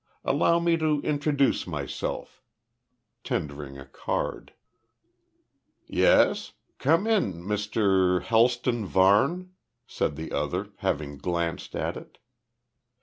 Allow me to introduce myself," tendering a card. "Yes? Come in, Mr Helston Varne," said the other, having glanced at it.